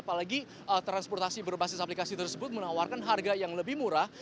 apalagi transportasi berbasis aplikasi tersebut menawarkan harga yang lebih murah